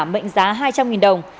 mệnh giá hai trăm linh đồng